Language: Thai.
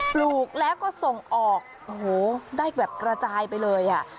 ปลูกแล้วก็ส่งออกโอ้โหได้แบบกระจายไปเลยอ่ะ